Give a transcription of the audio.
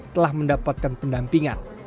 telah mendapatkan pendampingan